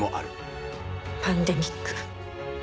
パンデミック。